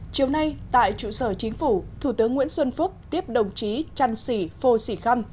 chiều nay tại trụ sở chính phủ thủ tướng nguyễn xuân phúc tiếp đồng chí trăn sỉ phô sĩ khăm